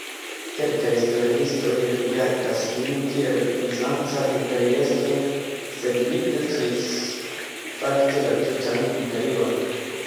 Kelkaj historiistoj rigardas lin kiel bizanca imperiestro, sed li estris fakte la tutan imperion.